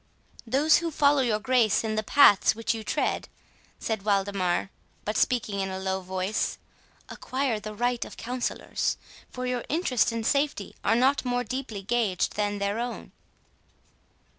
"Those who follow your Grace in the paths which you tread," said Waldemar, but speaking in a low voice, "acquire the right of counsellors; for your interest and safety are not more deeply gaged than their own."